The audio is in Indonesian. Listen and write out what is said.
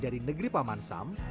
dari negeri pamansam